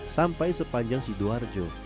sampai sepanjang sidoarjo